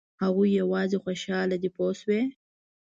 هغوی یوازې خوشاله دي پوه شوې!.